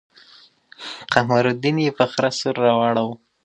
قمرالدين يې په خره سور راوړو.